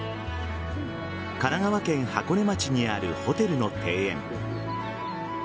神奈川県箱根町にあるホテルの庭園。